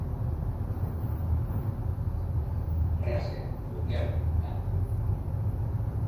No quise ir hacia atrás y rehacer "Good Girl Gone Bad".